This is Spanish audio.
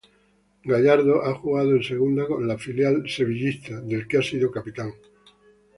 Gallardo ha jugado en Segunda con el filial sevillista, del que ha sido capitán.